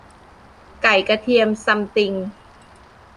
ไก่กระเทียมซัมติง